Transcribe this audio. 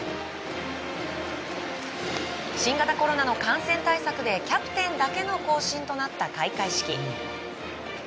新型コロナの感染対策でキャプテンだけの行進となった開会式。